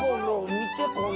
見てこの。